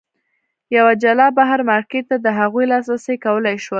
یوه جلا بهر مارکېټ ته د هغوی لاسرسی کولای شول.